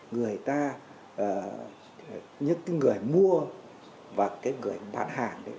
người ta những người mua và những người bán hàng